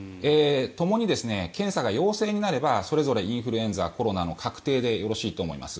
ともに検査が陽性になればそれぞれインフルエンザ、コロナの確定でよろしいと思います。